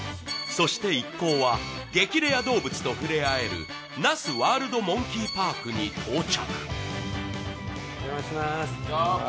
そして一行は激レア動物と触れ合える那須ワールドモンキーパークに到着。